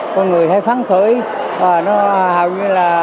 con người thấy phán khởi và nó hầu như là